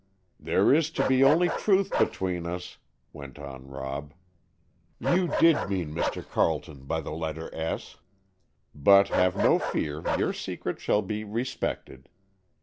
"There is to be only truth between us," went on Rob. "You did mean Mr. Carleton, by the letter 'S'; but have no fear, your secret shall be respected.